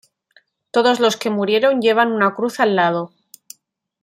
Todos los que murieron llevan una cruz al lado.